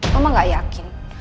mama nggak yakin